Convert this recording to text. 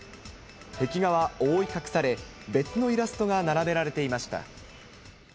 壁画は覆い隠され、別のイラストが並べられていました。